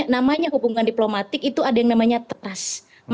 namanya hubungan diplomatik itu ada yang namanya trust